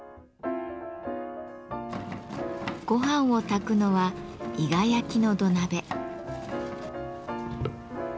ごはんを炊くのは伊賀焼の土鍋。